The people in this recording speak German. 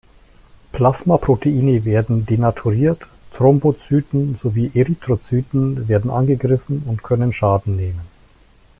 Plasmaproteine werden denaturiert, Thrombozyten sowie Erythrozyten werden angegriffen und können Schaden nehmen.